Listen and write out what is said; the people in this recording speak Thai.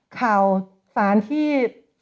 ข่าวสารที่